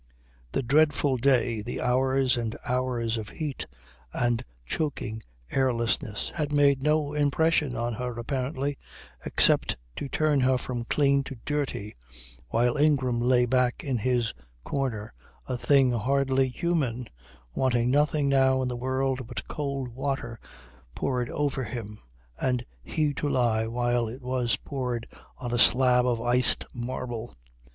The dreadful day, the hours and hours of heat and choking airlessness, had made no impression on her apparently, except to turn her from clean to dirty, while Ingram lay back in his corner a thing hardly human, wanting nothing now in the world but cold water poured over him and he to lie while it was poured on a slab of iced marble.